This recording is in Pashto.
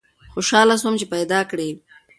خوشحاله سوم چي پیداکړې